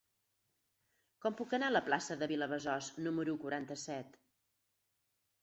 Com puc anar a la plaça de Vilabesòs número quaranta-set?